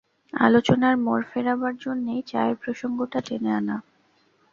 আলোচনার মোড় ফেরাবার জন্যেই চায়ের প্রসঙ্গটা টেনে আনা।